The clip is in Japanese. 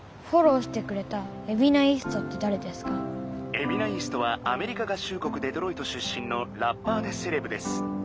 「エビナ・イーストはアメリカ合衆国デトロイト出身のラッパーでセレブです」。